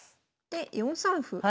で４三歩。